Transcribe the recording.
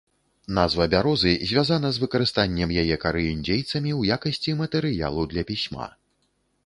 Назва бярозы звязана з выкарыстаннем яе кары індзейцамі ў якасці матэрыялу для пісьма.